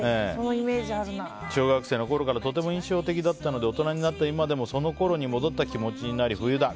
小学生のころからとても印象的だったので大人になった今でもそのころに戻った気持ちになり冬だ！